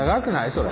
それ。